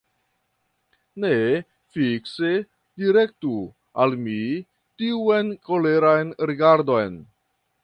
Ne fikse direktu al mi tiun koleran rigardon.